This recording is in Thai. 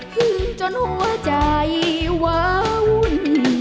ขึ้นจนหัวใจวาวุ่น